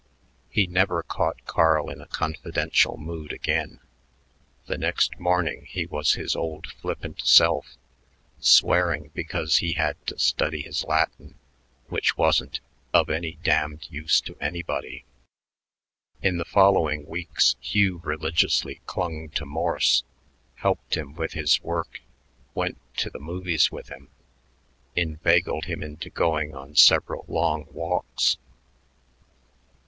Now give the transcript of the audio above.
He never caught Carl in a confidential mood again. The next morning he was his old flippant self, swearing because he had to study his Latin, which wasn't "of any damned use to anybody." In the following weeks Hugh religiously clung to Morse, helped him with his work, went to the movies with him, inveigled him into going on several long walks.